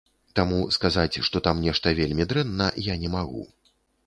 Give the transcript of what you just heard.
Таму сказаць, што там нешта вельмі дрэнна, я не магу.